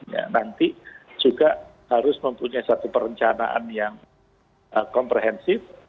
ya nanti juga harus mempunyai satu perencanaan yang komprehensif